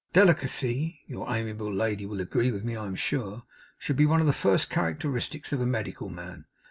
Delicacy your amiable lady will agree with me I am sure should be one of the first characteristics of a medical man.